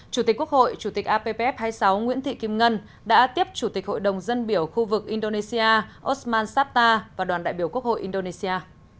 chủ tịch quốc hội chủ tịch appf hai mươi sáu nguyễn thị kim ngân đã tiếp chủ tịch hội đồng dân biểu khu vực indonesia osman safta và đoàn đại biểu quốc hội indonesia